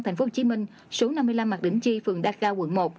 thành phố hồ chí minh số năm mươi năm mạc đỉnh chi phường đa cao quận một